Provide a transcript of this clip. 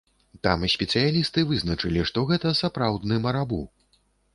Там спецыялісты вызначылі, што гэта сапраўдны марабу!